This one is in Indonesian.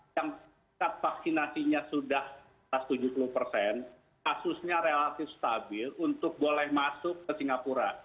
yang tingkat vaksinasinya sudah tujuh puluh persen kasusnya relatif stabil untuk boleh masuk ke singapura